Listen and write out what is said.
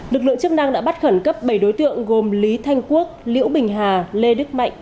lực lượng chức năng đã bắt khẩn cấp bảy đối tượng gồm lý thanh quốc liễu bình hà lê đức mạnh